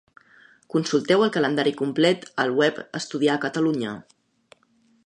Consulteu el calendari complet al web Estudiar a Catalunya.